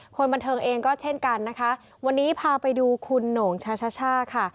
คนบันเทิงเองก็เช่นกันนะคะวันนี้พาไปดูคุณโหน่งชาช่าค่ะ